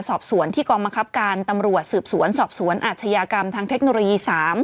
สอบสวนที่กองบังคับการตำรวจสืบสวนสอบสวนอาชญากรรมทางเทคโนโลยี๓